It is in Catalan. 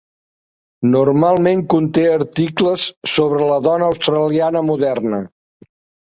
Normalment conté articles sobre la dona australiana moderna.